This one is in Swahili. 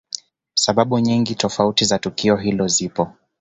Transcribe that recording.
Sababu nyingi tofauti za tukio hilo zipo